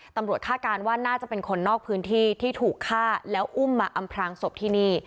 คาดการณ์ว่าน่าจะเป็นคนนอกพื้นที่ที่ถูกฆ่าแล้วอุ้มมาอำพลางศพที่นี่